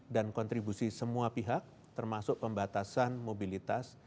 dan kontribusi semua pihak termasuk pembatasan mobilitas